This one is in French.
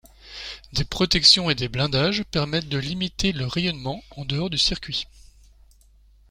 Des protections et des blindages permettent de limiter le rayonnement en dehors du circuit.